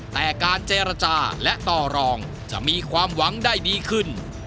แต่การเจรจาและต่อรองจะมีความหวังได้ดีขึ้น